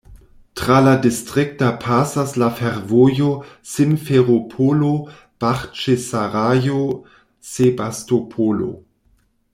Tra la distrikto pasas la fervojo Simferopolo-Baĥĉisarajo-Sebastopolo.